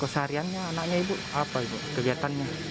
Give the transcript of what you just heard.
kalau sehariannya anaknya ibu apa kegiatannya